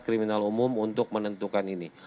kriminal umum untuk menentukan ini